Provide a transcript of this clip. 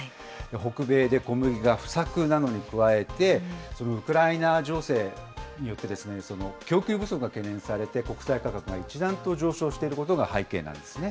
北米で小麦が不作なのに加えて、ウクライナ情勢によって供給不足が懸念されて、国際価格が一段と上昇していることが背景なんですね。